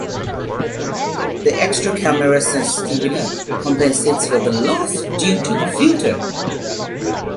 The extra camera sensitivity compensates for the loss due to the filter.